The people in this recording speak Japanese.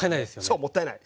そうもったいない。